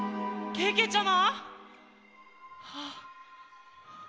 けけちゃま！